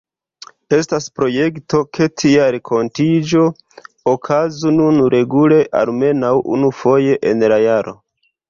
Estas projekto, ke tia renkontiĝo okazu nun regule almenaŭ unu-foje en la jaro.